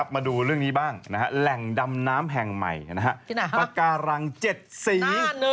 มาดูเรื่องนี้บ้างแหล่งดำน้ำแห่งใหม่ปากการัง๗สี